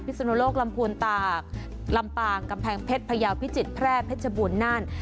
สุนโลกลำพูนตากลำปางกำแพงเพชรพยาวพิจิตรแพร่เพชรบูรณน่าน